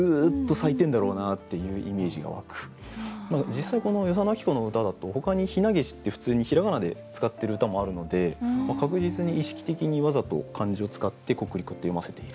実際この与謝野晶子の歌だとほかに「ひなげし」って普通にひらがなで使ってる歌もあるので確実に意識的にわざと漢字を使って「雛罌粟」って読ませている。